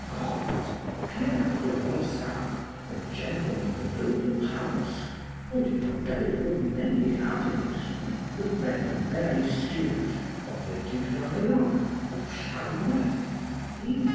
What! Pierre de Ronsard, a gentleman of a noble house, holding the revenue of many abbeys, the friend of Mary Stuart, of the Duc d'Orléans, of Charles IX.